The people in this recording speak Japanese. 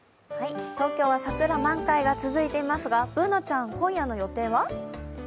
東京は桜満開が続いていますが、Ｂｏｏｎａちゃん、今夜の予定は？